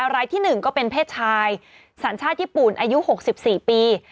รายที่๑ก็เป็นเพศชายสัญชาติญี่ปุ่นอายุ๖๔ปี